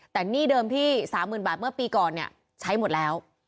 แต่หนี้เดิมที่๓๐๐๐บาทเมื่อปีก่อนเนี่ยใช้หมดแล้ว